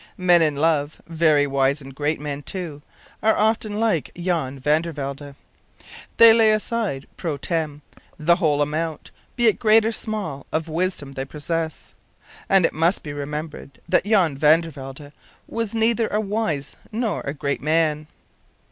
Men in love very wise and great men, too are often like Jan van der Welde. They lay aside pro tem. the whole amount, be it great or small, of wisdom they possess. And it must be remembered that Jan van der Welde was neither a wise nor a great man.